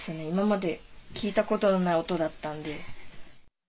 今まで聞いたことのない音だったんで。